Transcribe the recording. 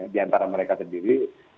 di antara mereka sendiri